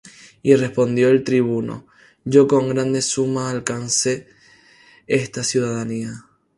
Y respondió el tribuno: Yo con grande suma alcancé esta ciudadanía.